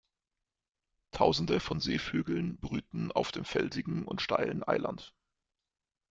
Tausende von Seevögeln brüten auf dem felsigen und steilen Eiland.